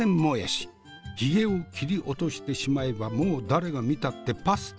ヒゲを切り落としてしまえばもう誰が見たってパスタ。